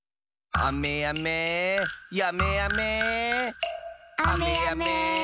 あめやめやめあめ。